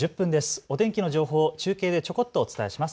お天気の情報、ちょこっとお伝えします。